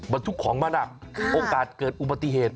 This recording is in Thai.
บรรทุกของมาหนักโอกาสเกิดอุบัติเหตุ